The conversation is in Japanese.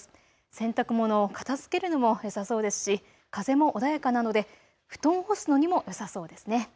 洗濯物を片づけるのもよさそうですし風も穏やかなので布団を干すのにもよさそうですね。